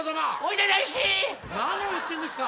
何を言ってんですか。